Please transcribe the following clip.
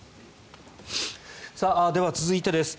では続いてです。